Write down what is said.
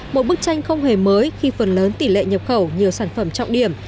một bức tranh không hề mới khi phần lớn tỷ lệ nhập khẩu nhiều sản phẩm trọng điểm